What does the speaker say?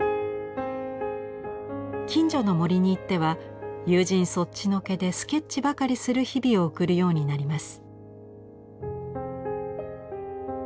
近所の森に行っては友人そっちのけでスケッチばかりする日々を送るようになります。